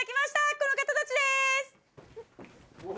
この方たちです！